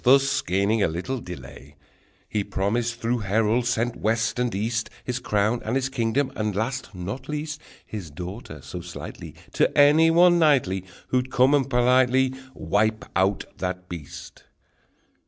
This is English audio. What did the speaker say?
Thus gaining a little delay, He promised through heralds sent west and east, His crown, and his kingdom, and last, not least, His daughter so sightly To any one knightly Who'd come and politely Wipe out that beast!